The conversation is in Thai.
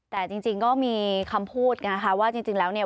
แต่จริงก็มีคำพูดนะคะว่าจริงแล้วเนี่ย